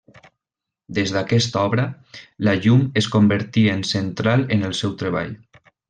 Des d'aquesta obra, la llum es convertí en central en el seu treball.